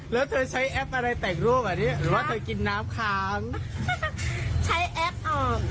แล้วเธอใช้แอปอะไรแต่งรูปอ่ะเนี่ยหรือว่าเธอกินน้ำค้างใช้แอปออก